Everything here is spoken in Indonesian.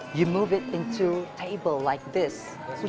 anda memasangnya ke meja seperti ini